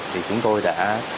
thì chúng tôi đã